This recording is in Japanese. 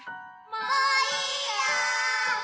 もういいよ！